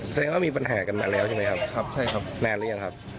แสดงว่ามีปัญหากันมาแล้วใช่ไหมครับครับใช่ครับนานหรือยังครับ